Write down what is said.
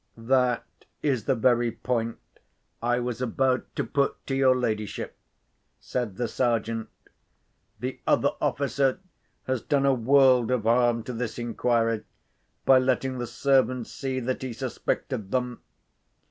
"That is the very point I was about to put to your ladyship," said the Sergeant. "The other officer has done a world of harm to this inquiry, by letting the servants see that he suspected them.